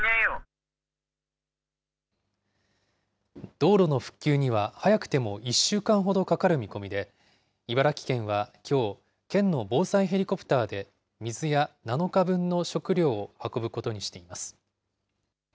道路の復旧には早くても１週間ほどかかる見込みで、茨城県はきょう、県の防災ヘリコプターで、水や７日分の食料を運ぶことにしています。